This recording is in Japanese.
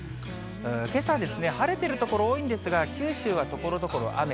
けさですね、晴れてる所多いんですが、九州はところどころ雨。